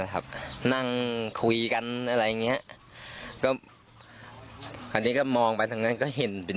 ครับนั่งคุยกันอะไรอย่างเงี้ยก็คราวนี้ก็มองไปทางนั้นก็เห็นเป็น